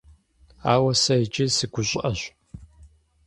Ауэ сэ иджы сыгущӀыӀэщ.